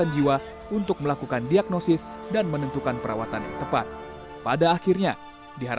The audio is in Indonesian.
yang berarti ada dua tujuh kasus dalam sejarah